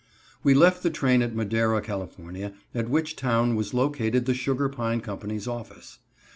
We left the train at Madera, Cal., at which town was located the Sugar Pine Company's office.